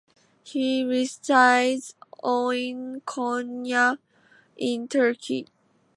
He resides oin Konya in Turkey.